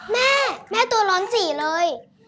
แม่แม่ตัวร้อนสี่เลย